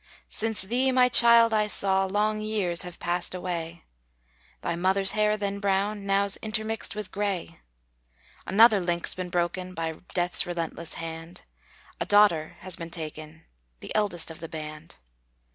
Since thee, my child, I saw, Long years have passed away; Thy mother's hair then brown, Now's intermixed with gray. Another link's been broken, By death's relentless hand; A daughter has been taken, The eldest of the band.